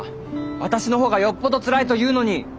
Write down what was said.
私の方がよっぽどつらいというのに。